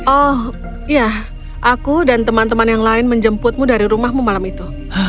oh ya aku dan teman teman yang lain menjemputmu dari rumahmu malam itu